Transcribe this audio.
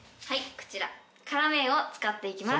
こちら辛麺を使って行きます。